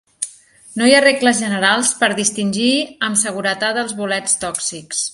No hi ha regles generals per distingir amb seguretat els bolets tòxics.